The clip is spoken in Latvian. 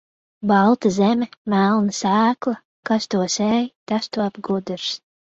Balta zeme, melna sēkla, kas to sēj, tas top gudrs.